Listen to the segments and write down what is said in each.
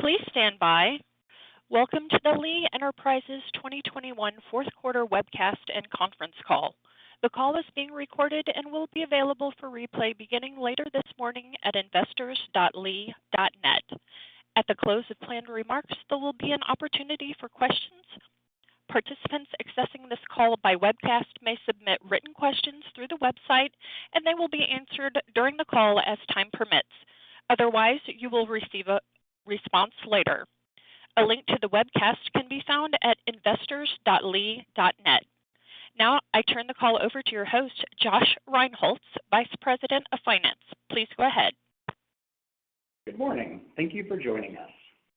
Please stand by. Welcome to the Lee Enterprises 2021 Fourth Quarter Webcast and Conference Call. The call is being recorded and will be available for replay beginning later this morning at investors.lee.net. At the close of planned remarks, there will be an opportunity for questions. Participants accessing this call by webcast may submit written questions through the website, and they will be answered during the call as time permits. Otherwise, you will receive a response later. A link to the webcast can be found at investors.lee.net. Now I turn the call over to your host, Josh Rinehults, Vice President of Finance. Please go ahead. Good morning. Thank you for joining us.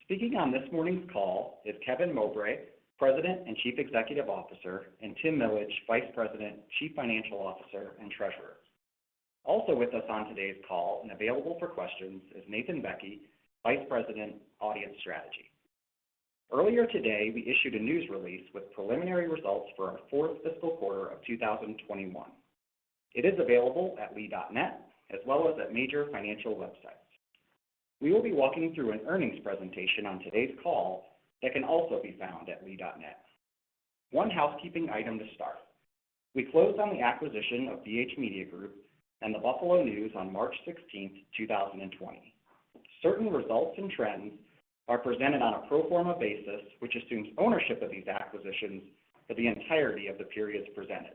Speaking on this morning's call is Kevin Mowbray, President and Chief Executive Officer, and Tim Millage, Vice President, Chief Financial Officer, and Treasurer. Also with us on today's call and available for questions is Nathan Bekke, Vice President, Audience Strategy. Earlier today, we issued a news release with preliminary results for our fourth fiscal quarter of 2021. It is available at lee.net as well as at major financial websites. We will be walking through an earnings presentation on today's call that can also be found at lee.net. One housekeeping item to start. We closed on the acquisition of BH Media Group and The Buffalo News on March 16, 2020. Certain results and trends are presented on a pro forma basis, which assumes ownership of these acquisitions for the entirety of the periods presented.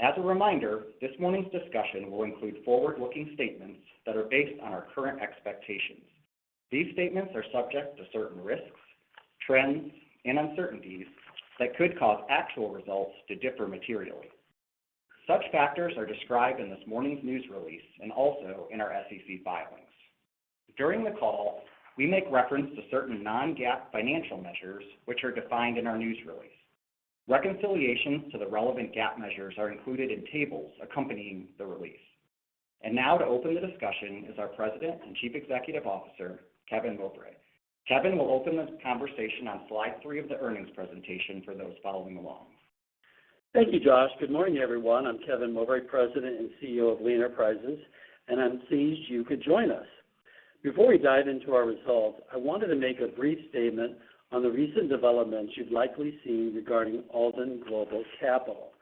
As a reminder, this morning's discussion will include forward-looking statements that are based on our current expectations. These statements are subject to certain risks, trends, and uncertainties that could cause actual results to differ materially. Such factors are described in this morning's news release and also in our SEC filings. During the call, we make reference to certain non-GAAP financial measures which are defined in our news release. Reconciliations to the relevant GAAP measures are included in tables accompanying the release. Now to open the discussion is our President and Chief Executive Officer, Kevin Mowbray. Kevin will open the conversation on slide three of the earnings presentation for those following along. Thank you, Josh. Good morning, everyone. I'm Kevin Mowbray, President and CEO of Lee Enterprises, and I'm pleased you could join us. Before we dive into our results, I wanted to make a brief statement on the recent developments you've likely seen regarding Alden Global Capital.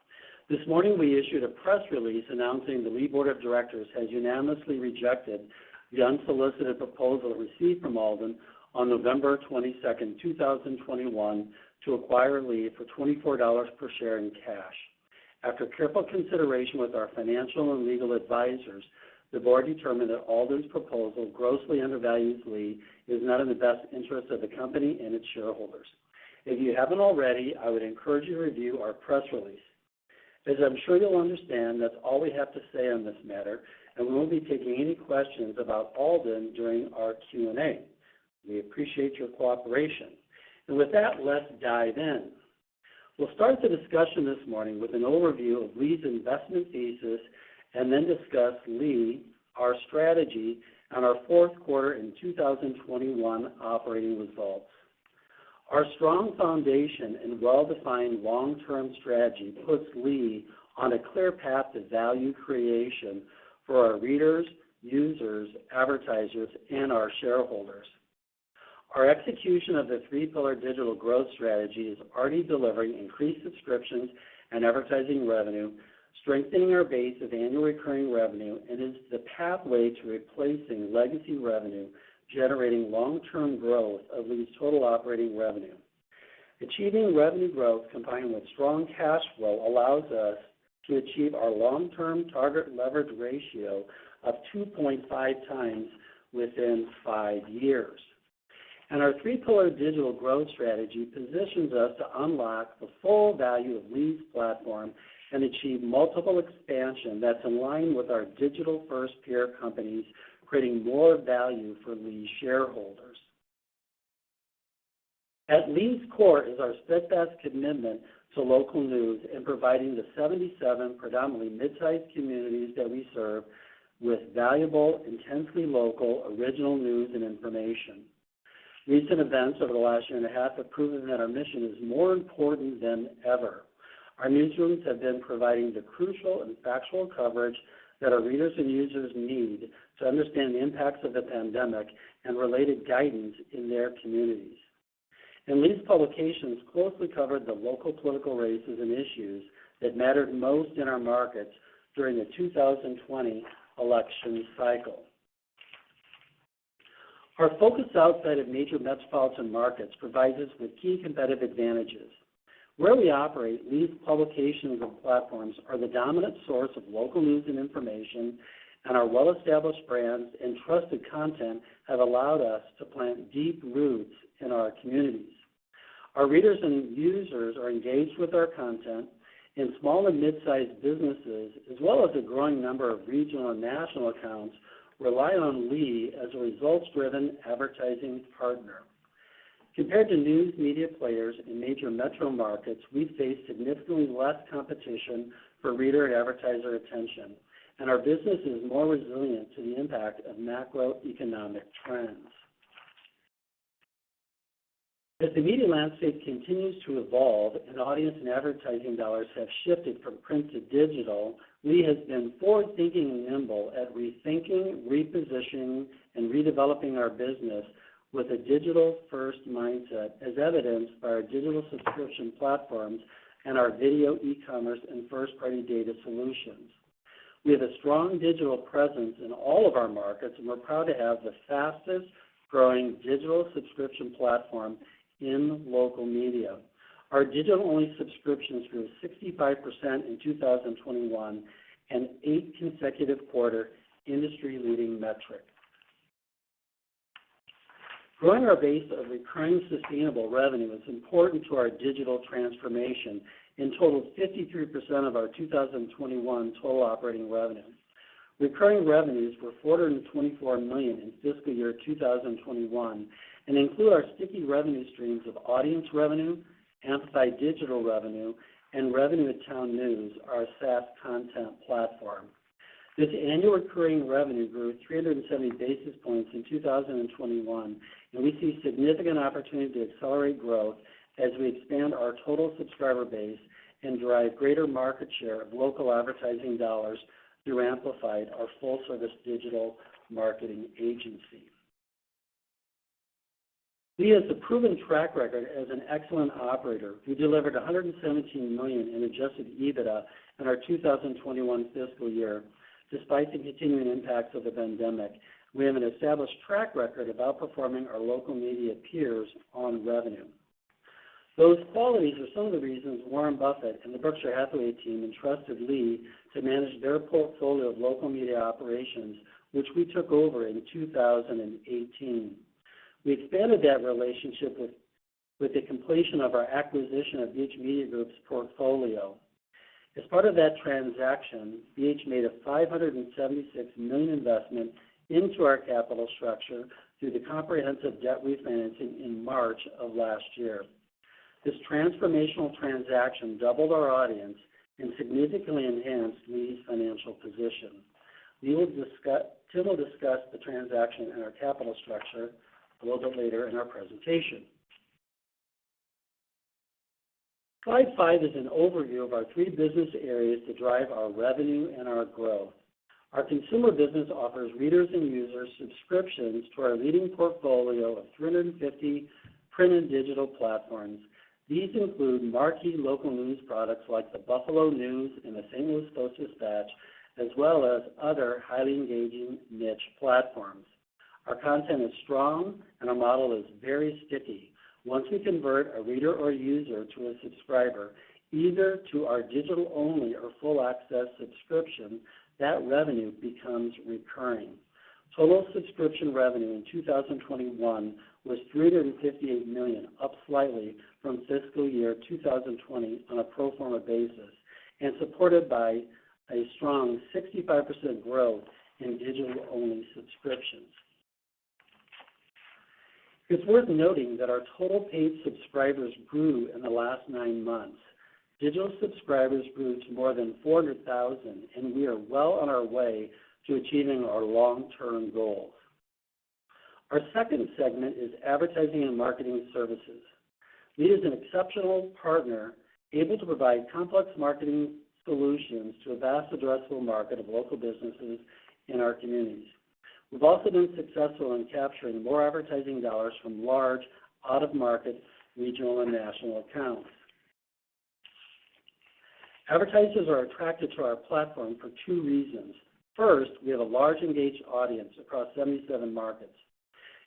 This morning, we issued a press release announcing the Lee Board of Directors has unanimously rejected the unsolicited proposal received from Alden on November 22, 2021 to acquire Lee for $24 per share in cash. After careful consideration with our financial and legal advisors, the board determined that Alden's proposal grossly undervalues Lee and is not in the best interest of the company and its shareholders. If you haven't already, I would encourage you to review our press release. As I'm sure you'll understand, that's all we have to say on this matter, and we won't be taking any questions about Alden during our Q&A. We appreciate your cooperation. With that, let's dive in. We'll start the discussion this morning with an overview of Lee's investment thesis and then discuss Lee, our strategy and our fourth quarter in 2021 operating results. Our strong foundation and well-defined long-term strategy puts Lee on a clear path to value creation for our readers, users, advertisers, and our shareholders. Our execution of the three-pillar digital growth strategy is already delivering increased subscriptions and advertising revenue, strengthening our base of annual recurring revenue, and is the pathway to replacing legacy revenue, generating long-term growth of Lee's total operating revenue. Achieving revenue growth combined with strong cash flow allows us to achieve our long-term target leverage ratio of 2.5x within five years. Our three-pillar digital growth strategy positions us to unlock the full value of Lee's platform and achieve multiple expansion that's in line with our digital-first peer companies, creating more value for Lee's shareholders. At Lee's core is our steadfast commitment to local news and providing the 77 predominantly mid-sized communities that we serve with valuable, intensely local, original news and information. Recent events over the last year and a half have proven that our mission is more important than ever. Our newsrooms have been providing the crucial and factual coverage that our readers and users need to understand the impacts of the pandemic and related guidance in their communities. Lee's publications closely covered the local political races and issues that mattered most in our markets during the 2020 election cycle. Our focused outside of major metropolitan markets provides us with key competitive advantages. Where we operate, Lee's publications and platforms are the dominant source of local news and information, and our well-established brands and trusted content have allowed us to plant deep roots in our communities. Our readers and users are engaged with our content, and small and mid-sized businesses, as well as a growing number of regional and national accounts, rely on Lee as a results-driven advertising partner. Compared to news media players in major metro markets, we face significantly less competition for reader and advertiser attention, and our business is more resilient to the impact of macroeconomic trends. As the media landscape continues to evolve and audience and advertising dollars have shifted from print to digital, Lee has been forward thinking and nimble at rethinking, repositioning, and redeveloping our business with a digital-first mindset as evidenced by our digital subscription platforms and our video e-commerce and first-party data solutions. We have a strong digital presence in all of our markets, and we're proud to have the fastest growing digital subscription platform in local media. Our digital-only subscriptions grew 65% in 2021, an eight-consecutive-quarter industry-leading metric. Growing our base of recurring sustainable revenue is important to our digital transformation and totals 53% of our 2021 total operating revenue. Recurring revenues were $424 million in fiscal year 2021, and include our sticky revenue streams of audience revenue, Amplified Digital revenue, and revenue at TownNews, our SaaS content platform. This annual recurring revenue grew 370 basis points in 2021, and we see significant opportunity to accelerate growth as we expand our total subscriber base and drive greater market share of local advertising dollars through Amplified, our full-service digital marketing agency. Lee has a proven track record as an excellent operator who delivered $117 million in adjusted EBITDA in our 2021 fiscal year despite the continuing impacts of the pandemic. We have an established track record of outperforming our local media peers on revenue. Those qualities are some of the reasons Warren Buffett and the Berkshire Hathaway team entrusted Lee to manage their portfolio of local media operations, which we took over in 2018. We expanded that relationship with the completion of our acquisition of BH Media Group's portfolio. As part of that transaction, BH made a $576 million investment into our capital structure through the comprehensive debt refinancing in March of last year. This transformational transaction doubled our audience and significantly enhanced Lee's financial position. Tim will discuss the transaction and our capital structure a little bit later in our presentation. Slide five is an overview of our three business areas to drive our revenue and our growth. Our consumer business offers readers and users subscriptions to our leading portfolio of 350 print and digital platforms. These include marquee local news products like the Buffalo News and the St. Louis Post-Dispatch, as well as other highly engaging niche platforms. Our content is strong and our model is very sticky. Once we convert a reader or user to a subscriber, either to our digital-only or full access subscription, that revenue becomes recurring. Total subscription revenue in 2021 was $358 million, up slightly from fiscal year 2020 on a pro forma basis and supported by a strong 65% growth in digital-only subscriptions. It's worth noting that our total paid subscribers grew in the last nine months. Digital subscribers grew to more than 400,000, and we are well on our way to achieving our long-term goals. Our second segment is advertising and marketing services. Lee is an exceptional partner, able to provide complex marketing solutions to a vast addressable market of local businesses in our communities. We've also been successful in capturing more advertising dollars from large out-of-market regional and national accounts. Advertisers are attracted to our platform for two reasons. First, we have a large engaged audience across 77 markets.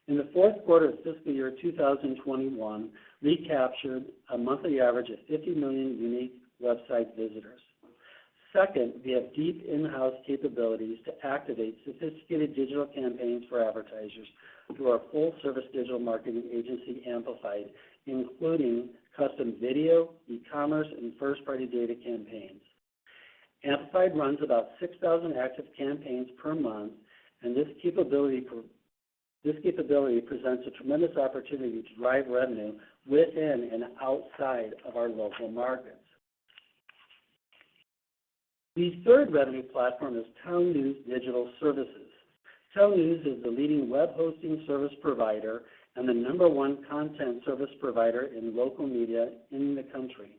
In the fourth quarter of fiscal year 2021, Lee captured a monthly average of 50 million unique website visitors. Second, we have deep in-house capabilities to activate sophisticated digital campaigns for advertisers through our full-service digital marketing agency, Amplified, including custom video, e-commerce, and first-party data campaigns. Amplified runs about 6,000 active campaigns per month, and this capability presents a tremendous opportunity to drive revenue within and outside of our local markets. Lee's third revenue platform is TownNews Digital Services. TownNews is the leading web hosting service provider and the number one content service provider in local media in the country.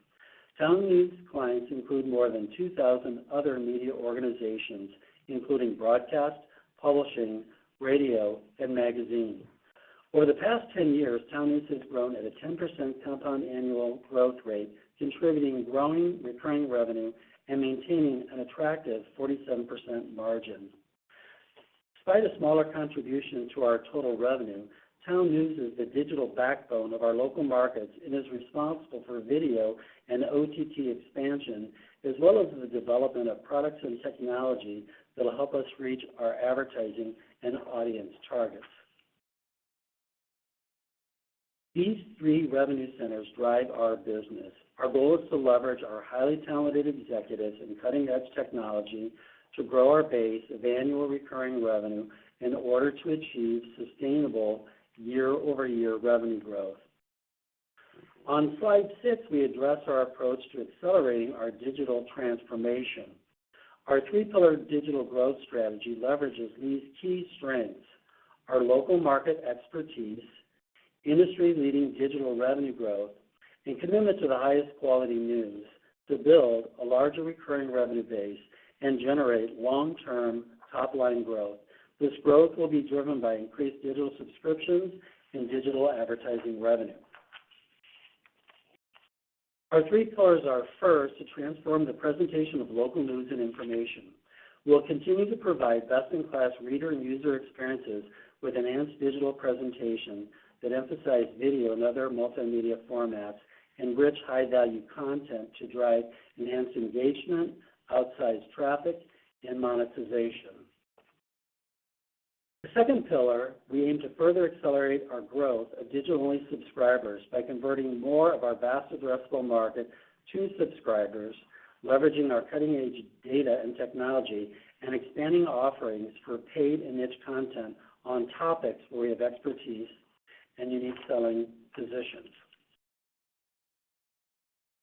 TownNews clients include more than 2,000 other media organizations, including broadcast, publishing, radio, and magazine. Over the past 10 years, TownNews has grown at a 10% compound annual growth rate, contributing growing recurring revenue and maintaining an attractive 47% margin. Despite a smaller contribution to our total revenue, TownNews is the digital backbone of our local markets and is responsible for video and OTT expansion, as well as the development of products and technology that'll help us reach our advertising and audience targets. These three revenue centers drive our business. Our goal is to leverage our highly talented executives and cutting-edge technology to grow our base of annual recurring revenue in order to achieve sustainable year-over-year revenue growth. On slide six, we address our approach to accelerating our digital transformation. Our three-pillar digital growth strategy leverages these key strengths, our local market expertise, industry-leading digital revenue growth, and commitment to the highest quality news to build a larger recurring revenue base and generate long-term top-line growth. This growth will be driven by increased digital subscriptions and digital advertising revenue. Our three pillars are first, to transform the presentation of local news and information. We'll continue to provide best-in-class reader and user experiences with enhanced digital presentation that emphasize video and other multimedia formats, enrich high-value content to drive enhanced engagement, outsized traffic and monetization. The second pillar, we aim to further accelerate our growth of digital-only subscribers by converting more of our vast addressable market to subscribers, leveraging our cutting-edge data and technology, and expanding offerings for paid and niche content on topics where we have expertise and unique selling positions.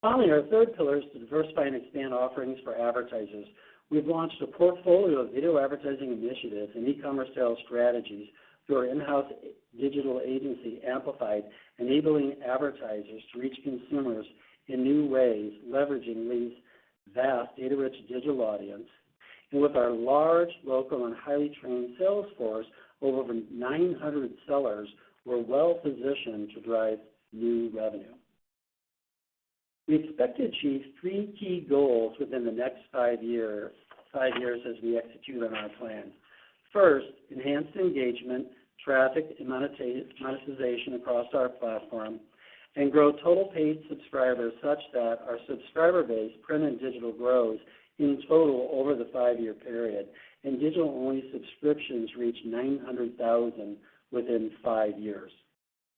Finally, our third pillar is to diversify and expand offerings for advertisers. We've launched a portfolio of video advertising initiatives and e-commerce sales strategies through our in-house digital agency, Amplified, enabling advertisers to reach consumers in new ways, leveraging these vast data-rich digital audience. With our large local and highly trained sales force, over 900 sellers, we're well-positioned to drive new revenue. We expect to achieve three key goals within the next five years as we execute on our plan. First, enhance engagement, traffic, and monetization across our platform and grow total paid subscribers such that our subscriber base, print and digital, grows in total over the five-year period, and digital-only subscriptions reach 900,000 within five years.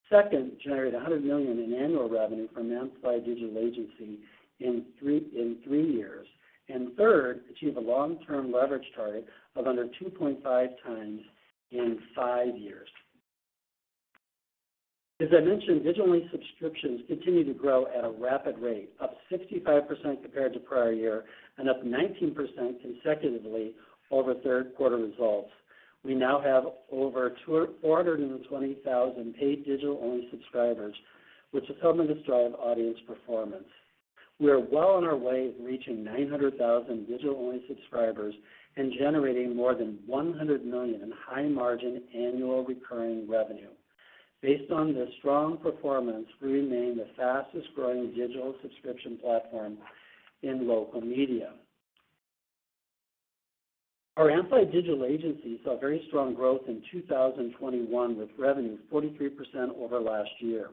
Second, generate $100 million in annual revenue from Amplified Digital agency in three years. Third, achieve a long-term leverage target of under 2.5x in five years. As I mentioned, digital-only subscriptions continue to grow at a rapid rate, up 65% compared to prior year and up 19% consecutively over third quarter results. We now have over 420,000 paid digital-only subscribers, which is helping to drive audience performance. We are well on our way to reaching 900,000 digital-only subscribers and generating more than $100 million in high-margin annual recurring revenue. Based on this strong performance, we remain the fastest growing digital subscription platform in local media. Our Amplified Digital agency saw very strong growth in 2021, with revenue 43% over last year.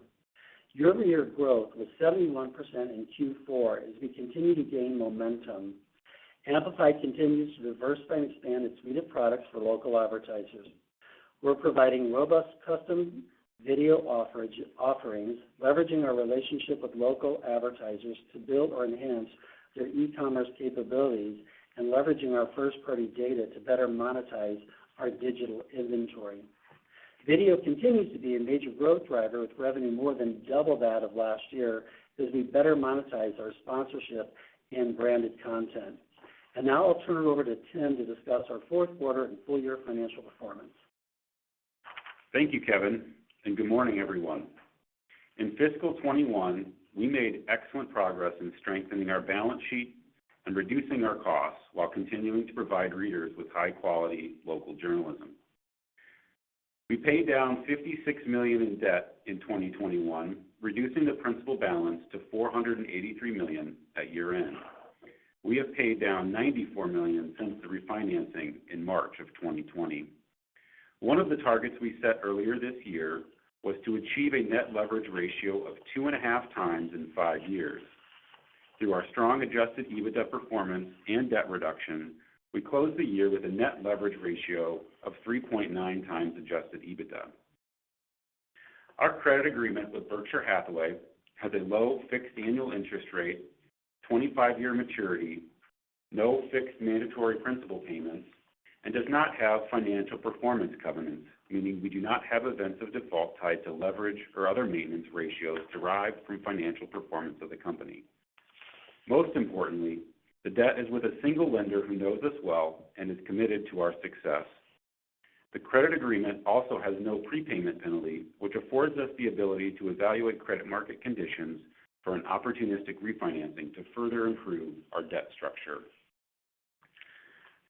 Year-over-year growth was 71% in Q4 as we continue to gain momentum. Amplified Digital continues to diversify and expand its suite of products for local advertisers. We're providing robust custom video offerings, leveraging our relationship with local advertisers to build or enhance their e-commerce capabilities and leveraging our first-party data to better monetize our digital inventory. Video continues to be a major growth driver with revenue more than double that of last year as we better monetize our sponsorship and branded content. Now I'll turn it over to Tim to discuss our fourth quarter and full year financial performance. Thank you, Kevin, and good morning, everyone. In fiscal 2021, we made excellent progress in strengthening our balance sheet and reducing our costs while continuing to provide readers with high quality local journalism. We paid down $56 million in debt in 2021, reducing the principal balance to $483 million at year end. We have paid down $94 million since the refinancing in March of 2020. One of the targets we set earlier this year was to achieve a net leverage ratio of 2.5x in five years. Through our strong adjusted EBITDA performance and debt reduction, we closed the year with a net leverage ratio of 3.9x adjusted EBITDA. Our credit agreement with Berkshire Hathaway has a low fixed annual interest rate, 25-year maturity, no fixed mandatory principal payments, and does not have financial performance covenants, meaning we do not have events of default tied to leverage or other maintenance ratios derived through financial performance of the company. Most importantly, the debt is with a single lender who knows us well and is committed to our success. The credit agreement also has no prepayment penalty, which affords us the ability to evaluate credit market conditions for an opportunistic refinancing to further improve our debt structure.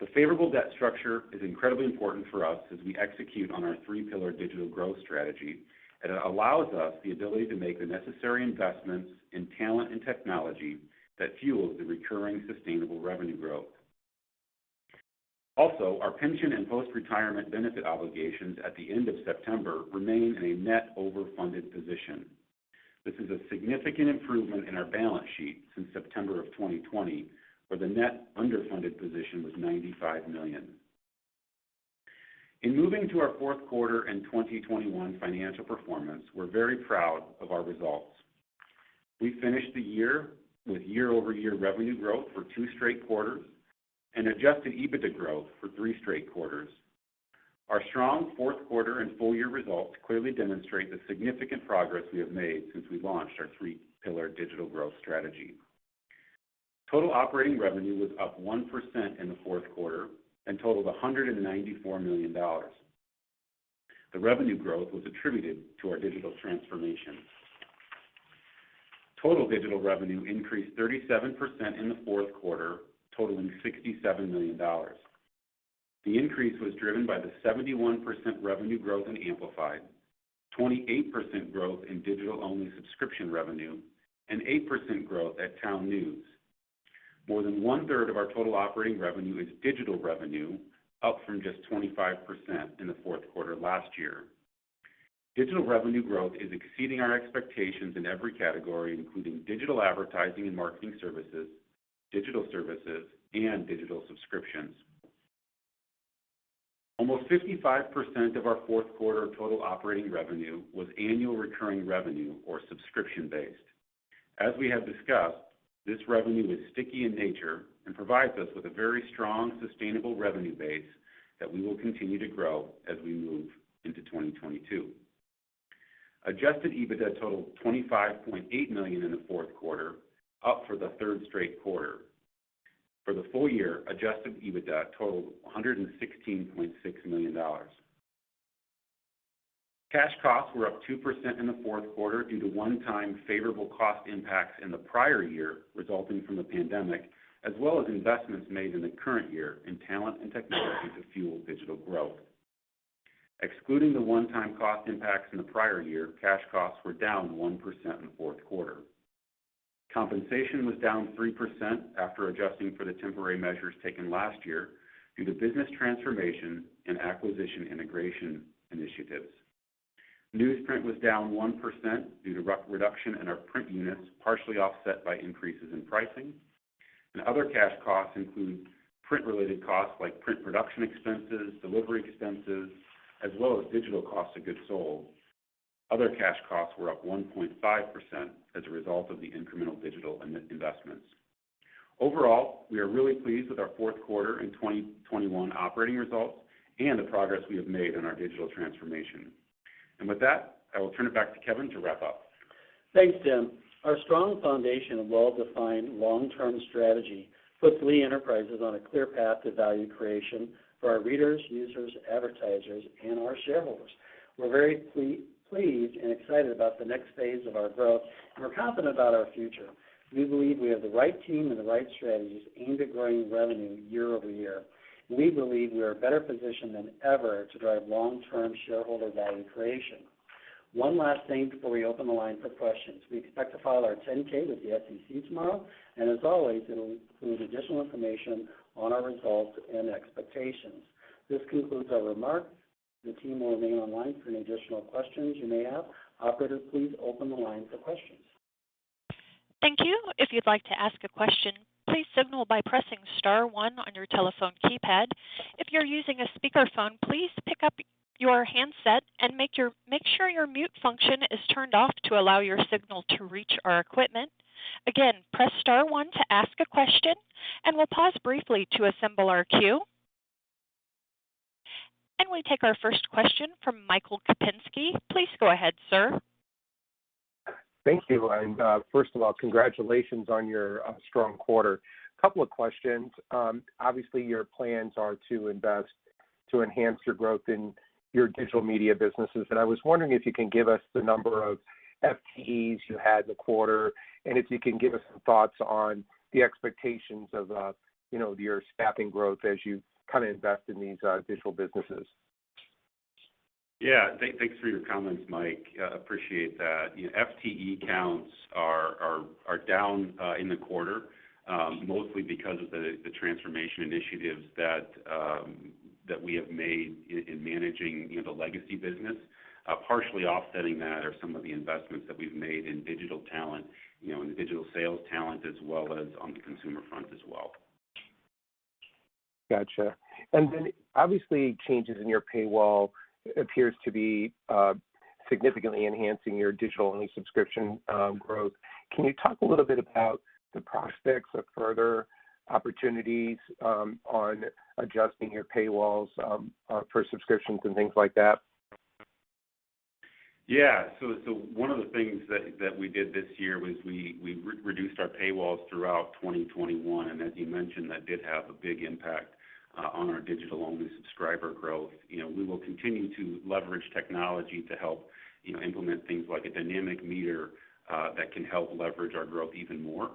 The favorable debt structure is incredibly important for us as we execute on our three-pillar digital growth strategy, and it allows us the ability to make the necessary investments in talent and technology that fuels the recurring sustainable revenue growth. Also, our pension and post-retirement benefit obligations at the end of September remain in a net overfunded position. This is a significant improvement in our balance sheet since September of 2020, where the net underfunded position was $95 million. In moving to our fourth quarter and 2021 financial performance, we're very proud of our results. We finished the year with year-over-year revenue growth for two straight quarters and adjusted EBITDA growth for three straight quarters. Our strong fourth quarter and full year results clearly demonstrate the significant progress we have made since we launched our three-pillar digital growth strategy. Total operating revenue was up 1% in the fourth quarter and totaled $194 million. The revenue growth was attributed to our digital transformation. Total digital revenue increased 37% in the fourth quarter, totaling $67 million. The increase was driven by the 71% revenue growth in Amplified, 28% growth in digital-only subscription revenue, and 8% growth at TownNews. More than 1/3 of our total operating revenue is digital revenue, up from just 25% in the fourth quarter last year. Digital revenue growth is exceeding our expectations in every category, including digital advertising and marketing services, digital services, and digital subscriptions. Almost 55% of our fourth quarter total operating revenue was annual recurring revenue or subscription based. As we have discussed, this revenue is sticky in nature and provides us with a very strong, sustainable revenue base that we will continue to grow as we move into 2022. Adjusted EBITDA totaled $25.8 million in the fourth quarter, up for the third straight quarter. For the full year, adjusted EBITDA totaled $116.6 million. Cash costs were up 2% in the fourth quarter due to one-time favorable cost impacts in the prior year resulting from the pandemic, as well as investments made in the current year in talent and technology to fuel digital growth. Excluding the one-time cost impacts in the prior year, cash costs were down 1% in the fourth quarter. Compensation was down 3% after adjusting for the temporary measures taken last year due to business transformation and acquisition integration initiatives. Newsprint was down 1% due to reduction in our print units, partially offset by increases in pricing. Other cash costs include print-related costs like print production expenses, delivery expenses, as well as digital cost of goods sold. Other cash costs were up 1.5% as a result of the incremental digital investments. Overall, we are really pleased with our fourth quarter in 2021 operating results and the progress we have made in our digital transformation. With that, I will turn it back to Kevin to wrap up. Thanks, Tim. Our strong foundation of well-defined long-term strategy puts Lee Enterprises on a clear path to value creation for our readers, users, advertisers, and our shareholders. We're very pleased and excited about the next phase of our growth, and we're confident about our future. We believe we have the right team and the right strategies aimed at growing revenue year over year. We believe we are better positioned than ever to drive long-term shareholder value creation. One last thing before we open the line for questions. We expect to file our 10-K with the SEC tomorrow, and as always, it'll include additional information on our results and expectations. This concludes our remarks. The team will remain online for any additional questions you may have. Operator, please open the line for questions. Thank you. If you'd like to ask a question, please signal by pressing star one on your telephone keypad. If you're using a speaker phone, please pick up your handset and make sure your mute function is turned off to allow your signal to reach our equipment. Again, press star one to ask a question, and we'll pause briefly to assemble our queue. We take our first question from Michael Kupinski. Please go ahead, Sir. Thank you. First of all, congratulations on your strong quarter. Couple of questions. Obviously, your plans are to invest to enhance your growth in your digital media businesses, and I was wondering if you can give us the number of FTEs you had in the quarter, and if you can give us some thoughts on the expectations of you know, your staffing growth as you kind of invest in these digital businesses. Yeah. Thanks for your comments, Mike. I appreciate that. The FTE counts are down in the quarter, mostly because of the transformation initiatives that we have made in managing, you know, the legacy business. Partially offsetting that are some of the investments that we've made in digital talent, you know, in the digital sales talent, as well as on the consumer front as well. Gotcha. Obviously, changes in your paywall appears to be significantly enhancing your digital-only subscription growth. Can you talk a little bit about the prospects of further opportunities on adjusting your paywalls for subscriptions and things like that? Yeah. One of the things that we did this year was we re-reduced our paywalls throughout 2021. As you mentioned, that did have a big impact on our digital-only subscriber growth. You know, we will continue to leverage technology to help, you know, implement things like a dynamic meter that can help leverage our growth even more.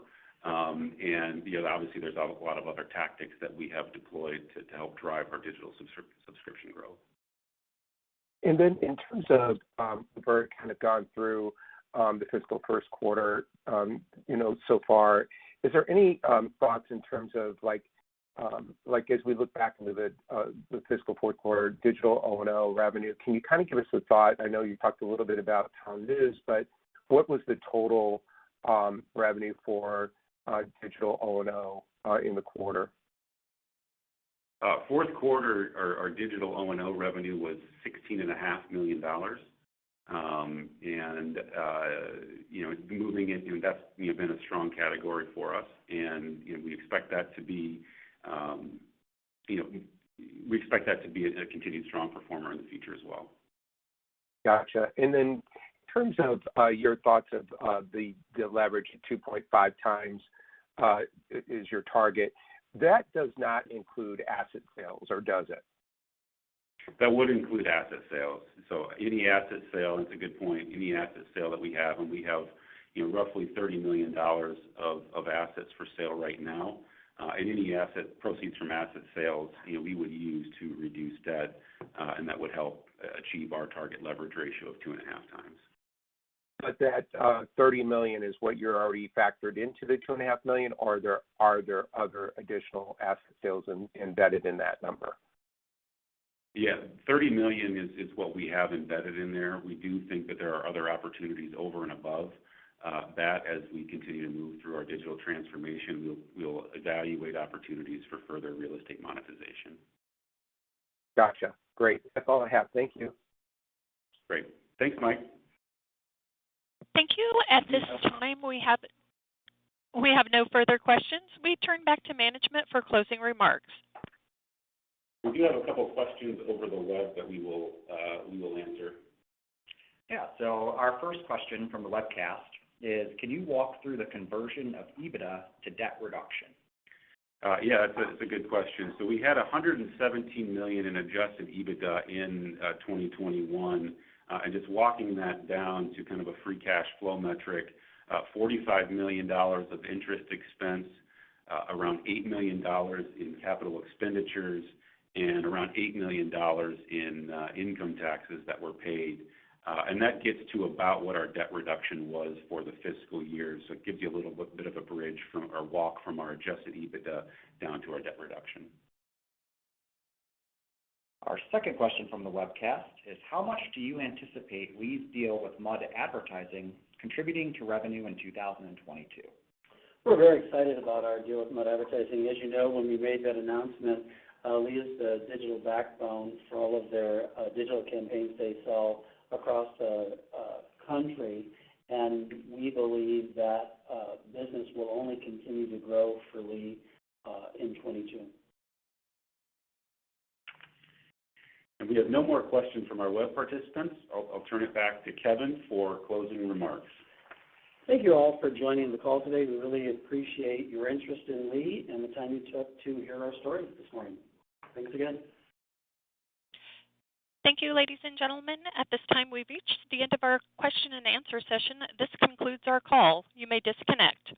You know, obviously, there's a lot of other tactics that we have deployed to help drive our digital subscription growth. In terms of, we're kind of gone through the fiscal first quarter, you know, so far, is there any thoughts in terms of like, as we look back into the fiscal fourth quarter digital O&O revenue, can you kind of give us a thought? I know you talked a little bit about TownNews, but what was the total revenue for digital O&O in the quarter? Fourth quarter, our digital O&O revenue was $16.5 million. You know, moving it, you know, that's been a strong category for us, and you know, we expect that to be a continued strong performer in the future as well. Gotcha. Then in terms of your thoughts of the leverage 2.5x as your target, that does not include asset sales, or does it? That would include asset sales. Any asset sale, that's a good point. Any asset sale that we have, you know, roughly $30 million of assets for sale right now. Proceeds from asset sales, you know, we would use to reduce debt, and that would help achieve our target leverage ratio of 2.5x. That $30 million is what you're already factored into the $2.5 million, or are there other additional asset sales embedded in that number? Yeah. $30 million is what we have embedded in there. We do think that there are other opportunities over and above that as we continue to move through our digital transformation. We'll evaluate opportunities for further real estate monetization. Gotcha. Great. That's all I have. Thank you. Great. Thanks, Mike. Thank you. At this time, we have no further questions. We turn back to management for closing remarks. We do have a couple questions over the web that we will answer. Yeah. Our first question from the webcast is, can you walk through the conversion of EBITDA to debt reduction? It's a good question. We had $117 million in adjusted EBITDA in 2021. Just walking that down to kind of a free cash flow metric, $45 million of interest expense, around $8 million in capital expenditures, and around $8 million in income taxes that were paid. That gets to about what our debt reduction was for the fiscal year. It gives you a little bit of a bridge from or walk from our adjusted EBITDA down to our debt reduction. Our second question from the webcast is, how much do you anticipate Lee's deal with Mudd Advertising contributing to revenue in 2022? We're very excited about our deal with Mudd Advertising. As you know, when we made that announcement, Lee is the digital backbone for all of their digital campaigns they sell across the country. We believe that business will only continue to grow for Lee in 2022. We have no more questions from our web participants. I'll turn it back to Kevin for closing remarks. Thank you all for joining the call today. We really appreciate your interest in Lee and the time you took to hear our stories this morning. Thanks again. Thank you, ladies and gentlemen. At this time, we've reached the end of our question-and-answer session. This concludes our call. You may disconnect.